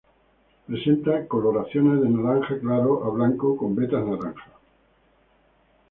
Presenta coloraciones de naranja claro a blanco con vetas naranjas.